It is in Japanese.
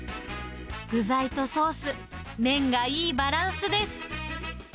具材とソース、麺がいいバランスです。